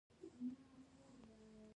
ښه به وي چې په لوړ غږ ولوستل شي.